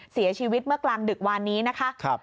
เสียชีวิตเมื่อกลางดึกวานนี้นะคะ